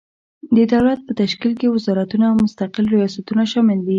د دولت په تشکیل کې وزارتونه او مستقل ریاستونه شامل دي.